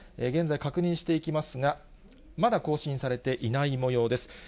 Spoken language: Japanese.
現在、確認していきますが、まだ更新されていないもようです。